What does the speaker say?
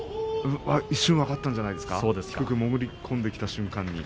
一瞬分かったんじゃないですか低く潜り込んできた瞬間に。